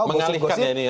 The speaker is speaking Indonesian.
mengalihkan ya ini ya